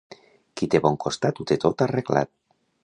Qui té bon costat ho té tot arreglat.